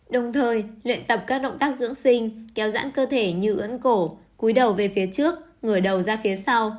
đồng thời luyện tập các động tác dưỡng sinh kéo dãn cơ thể như ấn cổ cúi đầu về phía trước người đầu ra phía sau